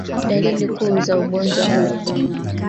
Dalili kuu za ugonjwa huu